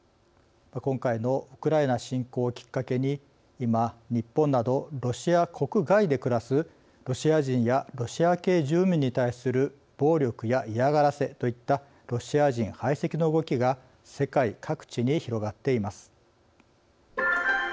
今回のウクライナ侵攻をきっかけに今、日本などロシア国外で暮らすロシア人やロシア系住民に対する暴力や嫌がらせといったロシア人排斥の動きが世界各地に広がっています。